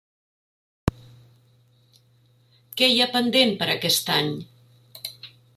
Què hi ha pendent per a aquest any?